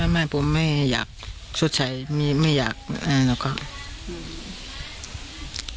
ไม่ผมไม่อยากสดใสไม่อยากอะนาไกลฟะ